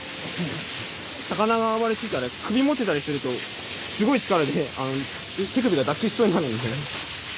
魚が暴れてたら首持ってたりするとすごい力で手首が脱臼しそうになるんで。